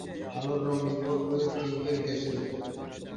আলোর রং নির্ভর করে টিউবের গ্যাসের উপর।